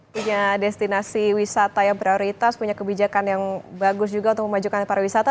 punya destinasi wisata yang prioritas punya kebijakan yang bagus juga untuk memajukan pariwisata